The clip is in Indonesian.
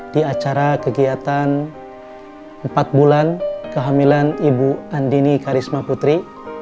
di acara kegiatan empat bulan kehamilan ibu andini karisma putri